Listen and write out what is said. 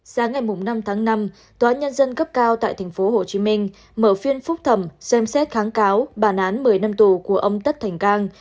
sáng ngày năm tháng năm tòa nhân dân cấp cao tại tp hcm mở phiên phúc thẩm xem xét kháng cáo bản án một mươi năm tù của ông tất thành cang